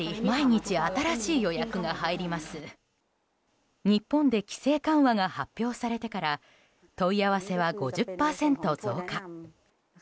日本で規制緩和が発表されてから問い合わせは５０％増加。